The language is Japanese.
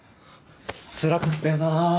つらかったよな。